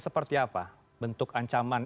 seperti apa bentuk ancaman